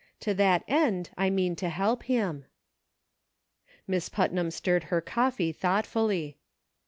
To that end I mean to help him." Miss Putnam stirred her coffee thoughtfully.